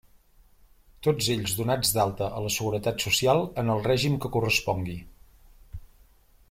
Tots ells donats d'alta a la Seguretat Social en el règim que correspongui.